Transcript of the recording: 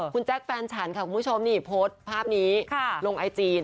คุณแจ๊คแฟนฉันค่ะคุณผู้ชมนี่โพสต์ภาพนี้ลงไอจี